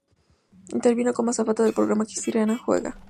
Intervino como azafata del programa Cristina Juega.